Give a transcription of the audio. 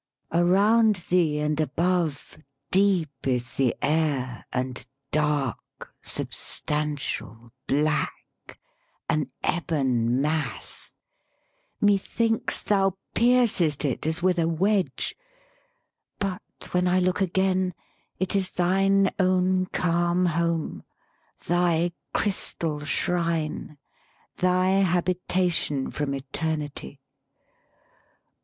Around thee and above Deep is the air and dark, substantial, black, An ebon mass: methinks thou piercest it, As with a wedge! But when I look again, It is thine own calm home, thy crystal shrine, Thy habitation from eternity!